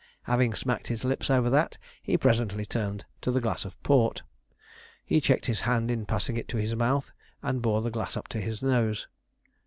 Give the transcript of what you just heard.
Having smacked his lips over that, he presently turned to the glass of port. He checked his hand in passing it to his mouth, and bore the glass up to his nose.